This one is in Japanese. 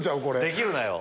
できるなよ。